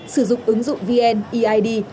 sử dụng ứng dụng vn eid